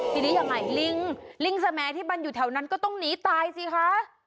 ทีนี้ยังไงลิงลิงสแมที่มันอยู่แถวนั้นก็ต้องหนีตายสิคะ